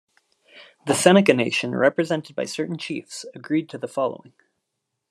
The Seneca nation, represented by certain chiefs, agreed to the following.